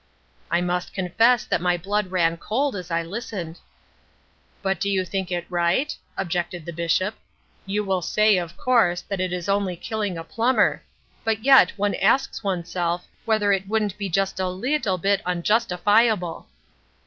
"I must confess that my blood ran cold as I listened. "'But do you think it right?' objected the Bishop. 'You will say, of course, that it is only killing a plumber; but yet one asks oneself whether it wouldn't be just a leetle bit unjustifiable.'